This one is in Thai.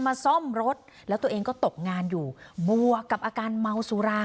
ซ่อมรถแล้วตัวเองก็ตกงานอยู่บวกกับอาการเมาสุรา